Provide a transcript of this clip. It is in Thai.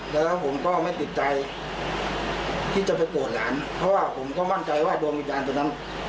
แล้วผมก็ไม่ติดใจที่จะไปโกรธหลานเพราะว่าผมก็มั่นใจว่าดวงวิญญาณตัวนั้น